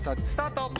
スタート！